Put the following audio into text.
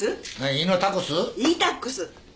イータックス。